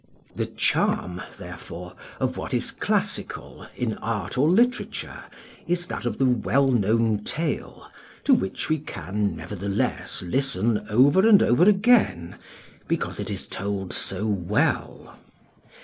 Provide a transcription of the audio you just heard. The charm, therefore, of what is classical, in art or literature, is that of the well known tale, to which we can, nevertheless, listen over and over again, because it is told so well.